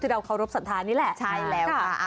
ที่เราเคารพสันธานี่แหละ